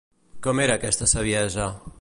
Com era aquesta saviesa?